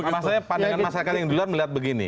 masanya pandangan masyarakat yang duluan melihat begini